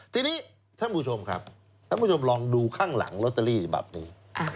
ทีนี้ท่านผู้ชมครับท่านผู้ชมลองดูข้างหลังลอตเตอรี่ฉบับนี้